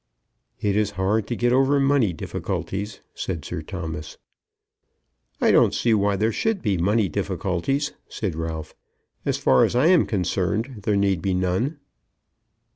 "It is hard to get over money difficulties," said Sir Thomas. "I don't see why there should be money difficulties," said Ralph. "As far as I am concerned there need be none."